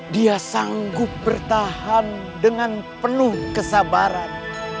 dia sanggup bertahan dengan penuh kesabaran